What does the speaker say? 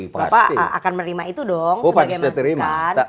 bapak akan menerima itu dong sebagai masukan